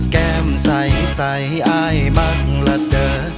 แก้มใส่ใส่อ้ายมักละเดิร์ฟ